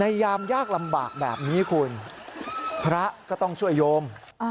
ยามยากลำบากแบบนี้คุณพระก็ต้องช่วยโยม